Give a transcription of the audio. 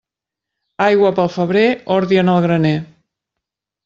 Aigua pel febrer, ordi en el graner.